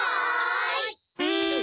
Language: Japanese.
はい！